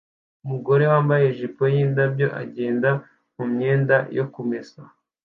Umugore wambaye ijipo yindabyo agenda mumyenda yo kumesa